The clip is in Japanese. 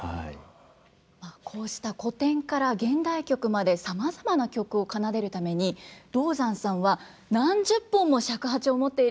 こうした古典から現代曲までさまざまな曲を奏でるために道山さんは何十本も尺八を持っていらして使い分けているということなんです。